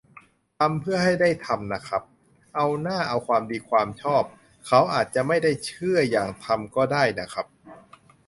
ทำเพื่อให้ได้ทำน่ะครับ เอาหน้า เอาความดีความชอบ เขาอาจจะไม่ได้เชื่ออย่างทำก็ได้น่ะครับ